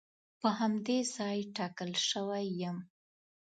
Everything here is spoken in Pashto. په همدې ځای ټاکل شوی یم.